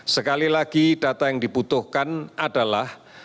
sekali lagi data yang dibutuhkan adalah